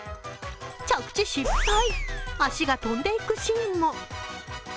着地失敗、足が飛んでいくシーンも。